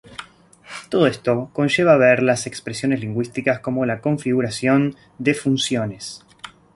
Todo esto conlleva ver las expresiones lingüísticas como la configuración de funciones.